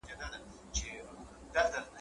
دروازه به د جنت وي راته خلاصه `